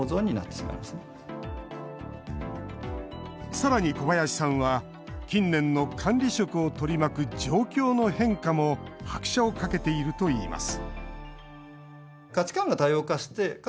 さらに小林さんは、近年の管理職を取り巻く状況の変化も拍車をかけているといいます